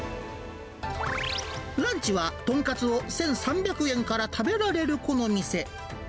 ランチはとんかつを１３００円から食べられるこの店。